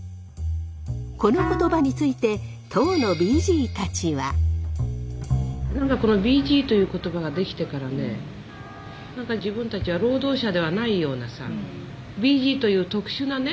この言葉についてＢＧという言葉が出来てからね何か自分たちは労働者ではないようなさＢＧという特殊なね